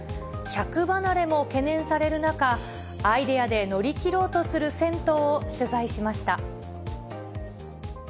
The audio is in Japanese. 客離れも懸念される中、アイデアで乗り切ろうとする銭湯を取材しました。